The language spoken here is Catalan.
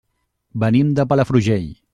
Venim de Palafrugell.